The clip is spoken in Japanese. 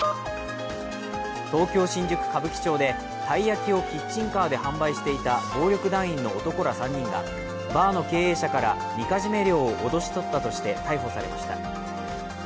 東京・新宿歌舞伎町でたい焼きをキッチンカーで販売していた暴力団員の男ら３人がバーの経営者からみかじめ料を脅し取ったとして逮捕されました。